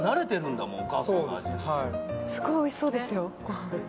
すごいおいしそうですよご飯。